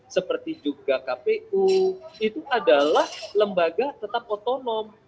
seperti juga kpu itu adalah lembaga tetap otonom